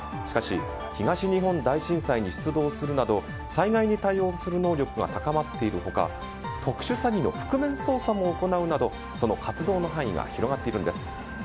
しかし、東日本大震災に出動するなど災害に対応する能力が高まっている他特殊詐欺の覆面捜査も行うなどその活動の範囲が広がっているんです。